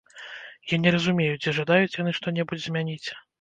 Я не разумею, ці жадаюць яны што-небудзь змяніць.